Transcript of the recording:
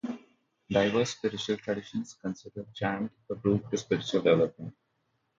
Diverse spiritual traditions consider chant a route to spiritual development.